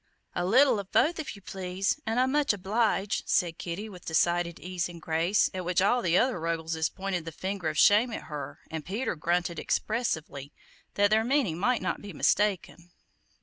"A little of both if you please, an' I'm much obliged," said Kitty with decided ease and grace, at which all the other Ruggleses pointed the finger of shame at her and Peter GRUNTED expressively, that their meaning might not be mistaken.